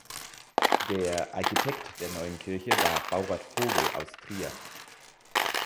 Der Architekt der neuen Kirche war Baurat Vogel aus Trier.